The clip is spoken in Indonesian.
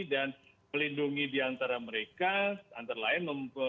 dan melindungi diantara mereka antara lain